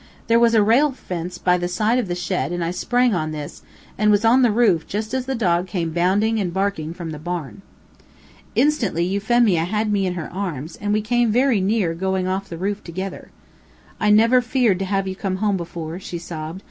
There was a rail fence by the side of the shed and I sprang on this, and was on the roof just as the dog came bounding and barking from the barn. Instantly Euphemia had me in her arms, and we came very near going off the roof together. "I never feared to have you come home before," she sobbed.